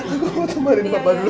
aku mau temarin papa dulu